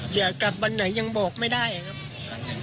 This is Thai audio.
อยากกลับวันไหนยังบอกไม่ได้ครับ